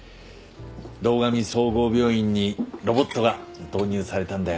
堂上総合病院にロボットが導入されたんだよ。